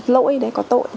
lỗi đấy có tội